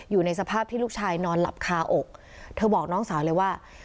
อยู่ในสภาพที่ลูกชายนอนหลับคาอกเธอบอกน้องสาวเลยว่า